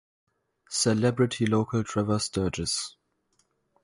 Celebrity local Trevor Sturgess.